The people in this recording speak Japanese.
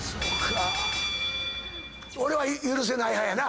俺は許せない派やな。